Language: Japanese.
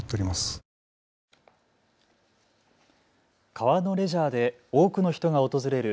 川のレジャーで多くの人が訪れる